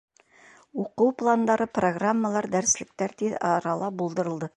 Уҡыу пландары, программалар, дәреслектәр тиҙ арала булдырылды.